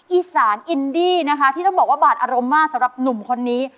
อีสานอินดี้นะคะที่ต้องบอกว่าบาดอารมณ์มากสำหรับหนุ่มคนนี้